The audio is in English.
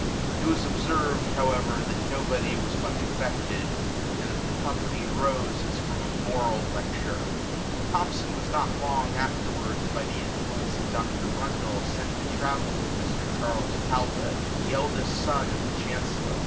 It was observed, however, that nobody was much affected, and that the company rose as from a moral lecture. Thomson was not long afterwards, by the influence of Dr. Rundle, sent to travel with Mr. Charles Talbot, the eldest son of the Chancellor.